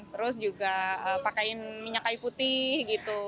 terus juga pakein minyak kai putih gitu